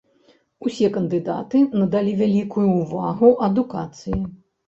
Усе кандыдаты надалі вялікую ўвагу адукацыі.